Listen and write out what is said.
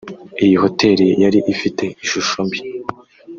“Iyi hotel yari ifite ishusho mbi